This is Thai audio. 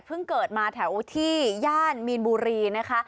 เกิดมาแถวที่ย่านมีนบุรีนะคะ